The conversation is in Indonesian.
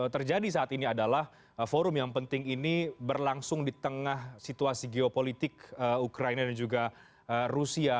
terjadi saat ini adalah forum yang penting ini berlangsung di tengah situasi geopolitik ukraina dan juga rusia